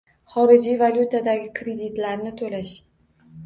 Xorijiy valyutadagi kreditlarni to'lash